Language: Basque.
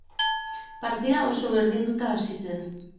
Partida oso berdinduta hasi zen.